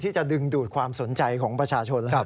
จะดึงดูดความสนใจของประชาชน